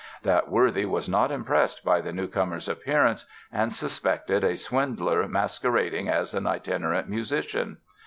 That worthy was not impressed by the newcomer's appearance and suspected a swindler masquerading as an itinerant musician.